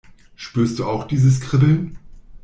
Spürst du auch dieses Kribbeln?